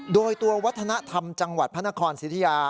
โดยตัววัฒนธรรมจังหวัดพระนครสิทธิยา